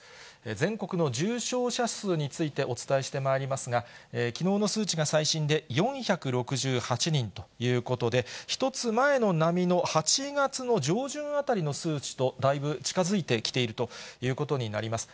全国の重症者数についてお伝えしてまいりますが、きのうの数値が最新で４６８人ということで、１つ前の波の８月の上旬あたりの数値とだいぶ近づいてきているということになります。